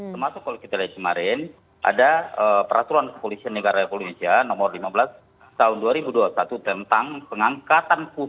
termasuk kalau kita lihat kemarin ada peraturan kepolisian negara indonesia nomor lima belas tahun dua ribu dua puluh satu tentang pengangkatan